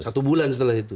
satu bulan setelah itu